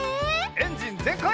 エンジンぜんかい！